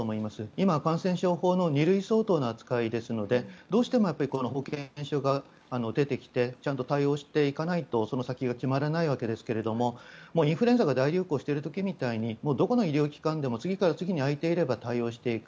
今、感染症法の２類相当の扱いですのでどうしても保健所が出てきてちゃんと対応していかないとその先が決まらないわけですがインフルエンザが大流行している時みたいにどこの医療機関でも次から次へと空いていれば対応していく。